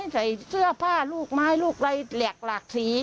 ใส่เสื้อผ้าลูกไม้ลูกอะไรแหลกหลากสี